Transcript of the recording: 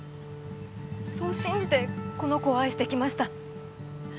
そう信じてこの子を愛してきました。